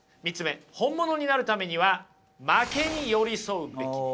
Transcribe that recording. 本物になるためには負けに寄り添うべきである。